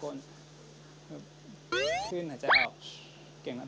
ขึ้นแบบนี้